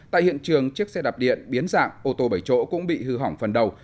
tại hiện trường chiếc xe đạp điện biến dạng ô tô bảy chỗ cũng bị hư hỏng phần đầu